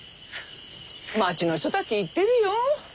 町の人たち言ってるよ